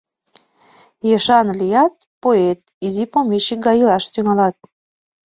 — Ешан лият, поет, изи помещик гай илаш тӱҥалат.